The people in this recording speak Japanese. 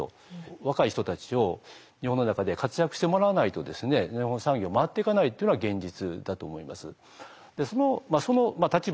若い人たちを日本の中で活躍してもらわないと日本産業回っていかないっていうのが現実だと思います。